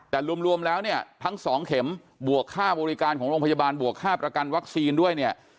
แต่รวมแล้วเนี่ยทั้งสองเข็มบวกค่าบริการของโรงพยาบาลบวกค่าประกันวัคซีนด้วยเนี่ย